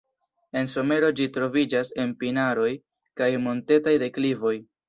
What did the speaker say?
En somero ĝi troviĝas en pinaroj kaj montetaj deklivoj.